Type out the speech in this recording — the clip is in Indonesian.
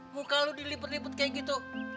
muka lo dilipet lipet kayak gitu